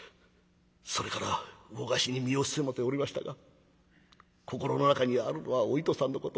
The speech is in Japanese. それから魚河岸に身を潜めておりましたが心の中にあるのはお糸さんのこと。